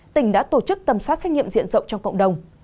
tỉnh đã tổ chức tầm soát xét nghiệm diện rộng trong cộng đồng